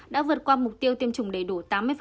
đã vượt qua mục tiêu tiêm chủng đầy đủ tám mươi